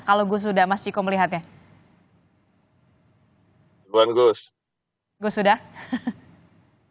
kalau gusuda dan juga mas ciko ini melihatnya pemanggilan kpu dan juga bawaslu ini oleh komisi dua ini merupakan pintu awal masuk permulaan untuk hak angket atau gimana